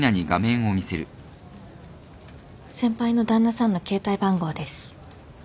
先輩の旦那さんの携帯番号です。